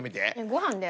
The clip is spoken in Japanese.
ご飯で？